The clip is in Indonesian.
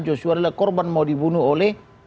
joshua adalah korban mau dibunuh oleh